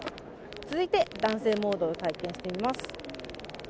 続いて男性モードを体験してみます。